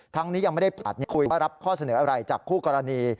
นี้ยังไม่ได้ผลัดคุยว่ารับข้อเสนออะไรจากคู่กรณี